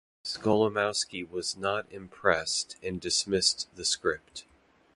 Skolimowski was not impressed and dismissed the script.